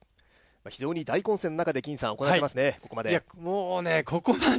非常に大混戦の中で行われていますね、ここまで。